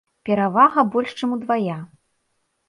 Перавага больш чым удвая!